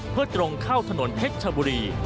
เพื่อตรงเข้าถนนเพชรชบุรี